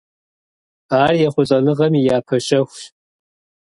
Ар ехъулӀэныгъэм и япэ щэхущ.